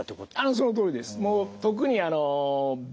そのとおりです。